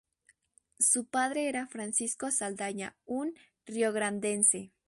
Su padre era Francisco Saldaña, un riograndense.